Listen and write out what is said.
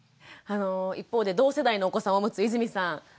あの一方で同世代のお子さんを持つ泉さん